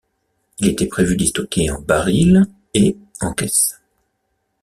Il était prévu d'y stocker en barils et en caisses.